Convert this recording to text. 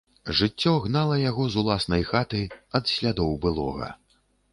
Жыццё гнала яго з уласнай хаты, ад слядоў былога.